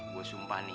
gue sumpah nih